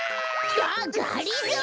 あっがりぞー！